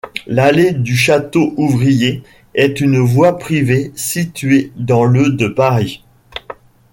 L'allée du Château-Ouvrier est une voie privée située dans le de Paris.